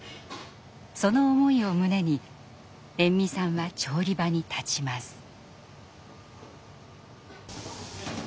その思いを胸に延味さんは調理場に立ちます。